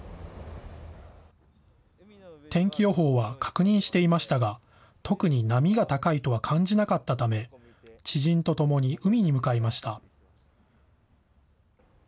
天気予報は確認していましたが、特に波が高いとは感じなかったため、知人と共に海に向かいました。